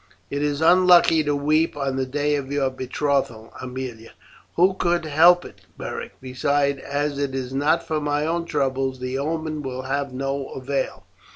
"It is unlucky to weep on the day of your betrothal, Aemilia." "Who could help it, Beric? Besides, as it is not for my own troubles the omen will have no avail.